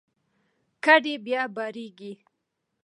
کډې بیا بارېږي.